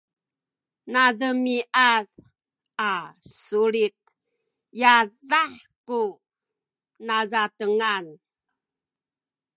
nademiad a sulit yadah ku nazatengan